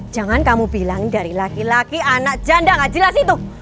jangan kamu bilang dari laki laki anak janda nggak jelas itu